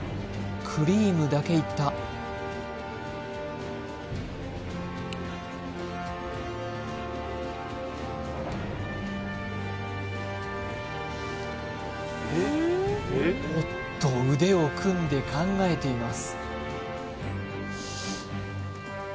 クリームだけいったおっと腕を組んで考えています